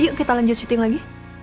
yuk kita lanjut syuting lagi